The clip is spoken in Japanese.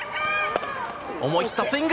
思い切ったスイング！